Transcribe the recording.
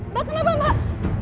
mbak kenapa mbak